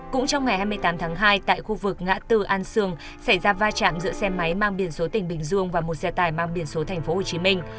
cũng trong ngày hai mươi tám tháng hai tại khu vực ngã tư an sương xảy ra va chạm giữa xe máy mang biển số tỉnh bình dương và một xe tải mang biển số thành phố hồ chí minh